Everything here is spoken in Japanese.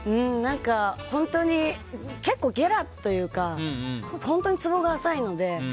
何か本当に、結構ゲラというか本当にツボが浅いので。